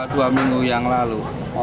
dua minggu yang lalu